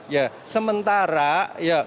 ya sementara ya